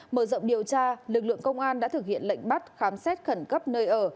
mở rộng điều tra lực lượng công an đã thực hiện lệnh bắt khám xét khẩn cấp nơi ở